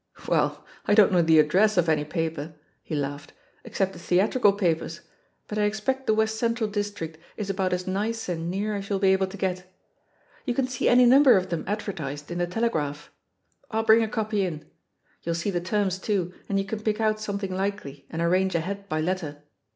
"Well, I don't know the address of any pa per," he laughed, "except the theatrical papers, but I expect the West Central district is about as nice and near as you'll be able to get. You can see any number of them advertised in the Telegraph. I'U bring a copy in. You'll see the terms too, and you can pick out something likely and arrange ahead by letter.